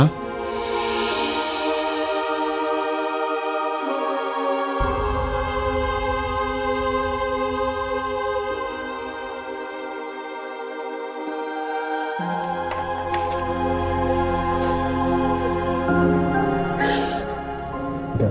ini ini dan itu